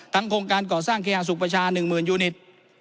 โครงการก่อสร้างเคหาสุขประชา๑๐๐๐ยูนิต